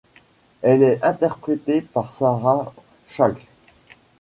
Elle est interprétée par Sarah Chalke.